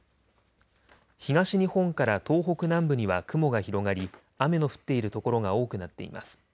東日本から東北南部には雲が広がり雨の降っている所が多くなっています。